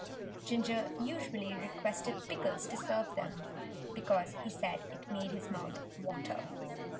Ginger usually requested Pickles to serve them, because he said it made his mouth water.